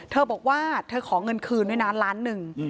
เธอบอกว่าเธอขอเงินคืนด้วยนะล้านหนึ่ง